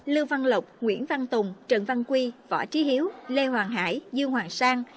lưu văn lộc nguyễn văn tùng trần văn quy võ trí hiếu lê hoàng hải dương hoàng sang